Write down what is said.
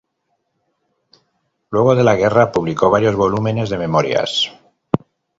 Luego de la guerra, publicó varios volúmenes de memorias.